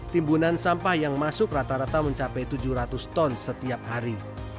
timbunan sampah yang masuk rata rata mencapai tujuh ratus ton setiap hari